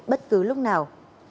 bất cứ lúc nào